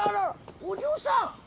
お嬢さん！